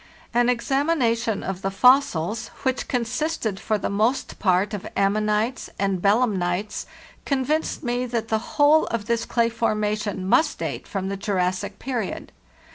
An examination of the fossils, which consisted for the most part of ammonites and belemnites, convinced me that the whole of this clay formation must date from theur Jassic period.